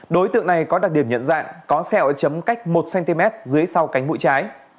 đối tượng này có đặc điểm nhận dạng có sẹo chấm cách một cm dưới sau cánh mũi trái